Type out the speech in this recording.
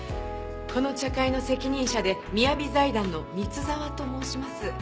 この茶会の責任者でみやび財団の光沢と申します。